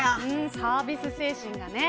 サービス精神がね。